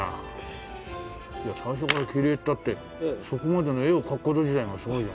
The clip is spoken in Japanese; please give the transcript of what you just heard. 最初から切り絵ったってそこまでの絵を描く事自体がすごいよ。